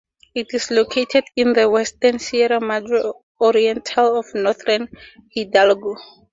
It is located in the western Sierra Madre Oriental of northern Hidalgo.